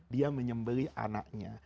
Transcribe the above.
dia menyembelih anaknya